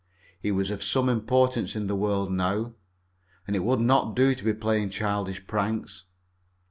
He was of some importance in the world now, and it would not do to be playing childish pranks.